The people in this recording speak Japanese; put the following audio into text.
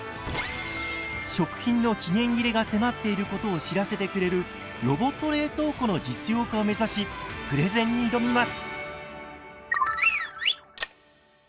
食品の期限切れが迫っていることを知らせてくれるロボット冷蔵庫の実用化を目指しプレゼンに挑みます。